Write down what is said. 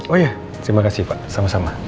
oh ya terima kasih pak sama sama